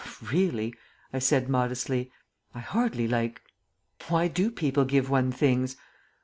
"Really," I said modestly, "I hardly like Why do people give one things?